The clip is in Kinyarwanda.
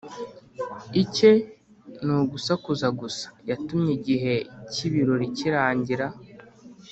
icye ni ugusakuza gusa Yatumye igihe cy ibirori kirangira